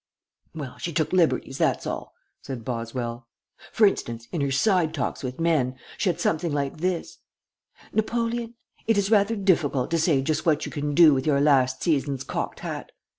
"Well, she took liberties, that's all," said Boswell. "For instance, in her 'Side Talks with Men' she had something like this: 'Napoleon It is rather difficult to say just what you can do with your last season's cocked hat.